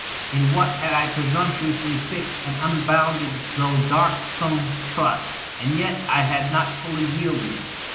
— ^in what had I presumptuously fixed an unbounded though darksome trust? .. And yet I had not fully yielded.